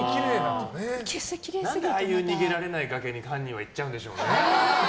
何でああいう逃げられない崖に犯人は行っちゃうんでしょうね。